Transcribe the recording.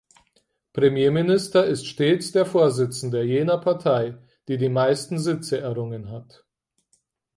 Premierminister ist stets der Vorsitzende jener Partei, die die meisten Sitze errungen hat.